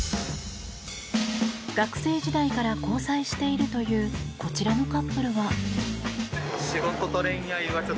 学生時代から交際しているというこちらのカップルは。